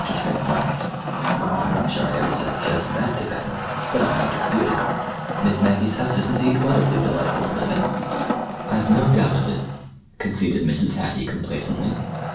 Smith laughed. "Well, I'm not sure I ever said just that to Benny, but I'll not dispute it. Miss Maggie's house is indeed wonderfully delightful—to live in." "I've no doubt of it," conceded Mrs. Hattie complacently.